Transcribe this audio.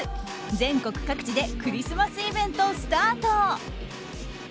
全国各地でクリスマスイベントスタート。